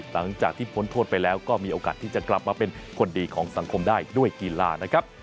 หลังจากที่พ้นโทษไปแล้วก็มีโอกาสที่จะกลับมาเป็นคนดีของสังคมได้ด้วยกีฬานะครับ